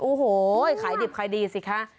โอ้โหขายดิบขายดีสิคะ